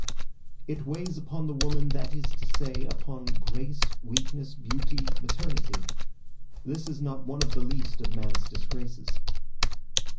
It weighs upon the woman, that is to say, upon grace, weakness, beauty, maternity. This is not one of the least of man's disgraces.